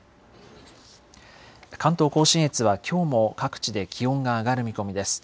関東甲信越はきょうも各地で気温が上がる見込みです。